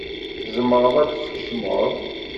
Tzemreḍ ad tkecmeḍ.